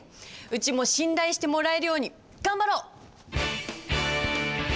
うちも信頼してもらえるように頑張ろう！